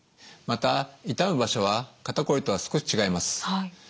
また痛む場所は肩こりとは少し違います。